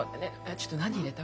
ちょっと何入れた？